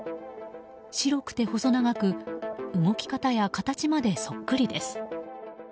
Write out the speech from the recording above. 白くて細長く動き方や形までそっくりです。